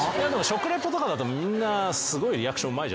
食レポとかだとみんなすごいリアクションうまいじゃないですか。